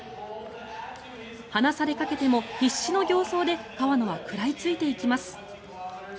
離されかけても必死の形相で川野は食らいついていきます。